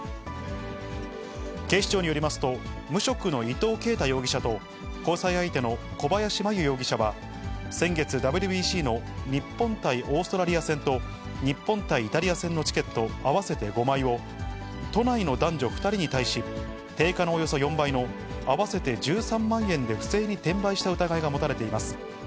警視庁によりますと、無職の伊藤啓太容疑者と、交際相手の小林真優容疑者は、先月、ＷＢＣの日本対オーストラリア戦と、日本対イタリア戦のチケット合わせて５枚を、都内の男女２人に対し、定価のおよそ４倍の、合わせて１３万円で不正に転売した疑いが持たれています。